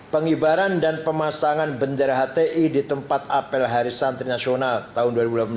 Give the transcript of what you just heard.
pengibaran dan pemasangan bendera hti di tempat apel hari santri nasional tahun dua ribu delapan belas